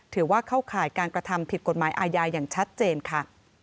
ถือว่าเข้าข่ายการกระทำผิดกฎหมายอาญาอย่างชัดเจนค่ะ